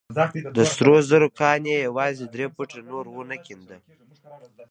د سرو زرو کان يې يوازې درې فوټه نور ونه کينده.